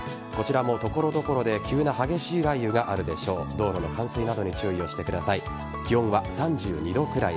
道路の冠水などに注意をしてください。